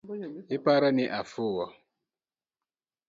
Iparo ni afuwo?